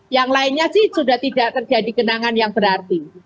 yang lainnya sih sudah tidak terjadi kenangan yang berarti